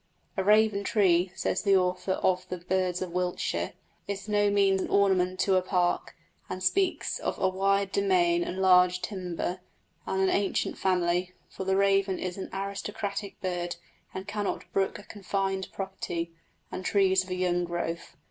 "A raven tree," says the author of the Birds of Wiltshire, "is no mean ornament to a park, and speaks of a wide domain and large timber, and an ancient family; for the raven is an aristocratic bird and cannot brook a confined property and trees of a young growth.